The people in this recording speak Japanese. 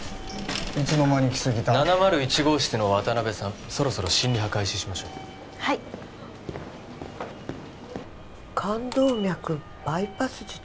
いつの間に来生担７０１号室の渡辺さんそろそろ心リハ開始しましょうはい冠動脈バイパス術？